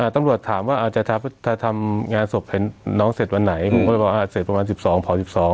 ตำรวจถามว่าจะทำงานศพน้องเสร็จวันไหนผมก็เลยบอกว่าเสร็จประมาณ๑๒พอ๑๒